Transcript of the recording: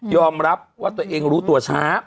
รับว่าตัวเองรู้ตัวช้า